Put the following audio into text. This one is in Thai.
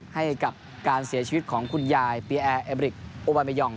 ให้กับการเสียชีวิตของคุณยายเปียแอร์เอบริกโอบาเมยอง